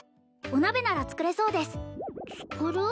お鍋なら作れそうです作る？